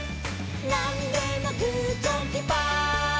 「なんでもグーチョキパー」